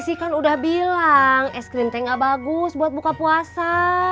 sih kan udah bilang es krim teh gak bagus buat buka puasa